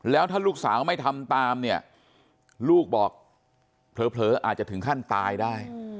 แล้วถ้าลูกสาวไม่ทำตามเนี่ยลูกบอกเผลออาจจะถึงขั้นตายได้